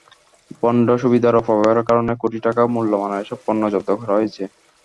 Bond সুবিধার অপব্যবহারের কারণে কোটি টাকা মূল্যমানের এসব পণ্য জব্দ করা হয়েছে।